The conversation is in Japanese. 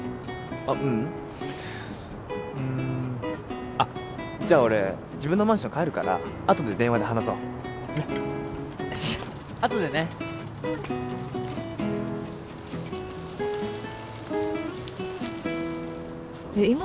あっううんうーんあっじゃ俺自分のマンション帰るからあとで電話で話そうねっあとでねえっ